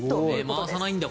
目を回さないんだ。